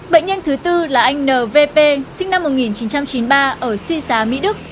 bệnh nhân thứ bốn là anh n v p sinh năm một nghìn chín trăm chín mươi ba ở suy giá mỹ đức